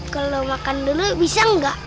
kalau makan dulu bisa nggak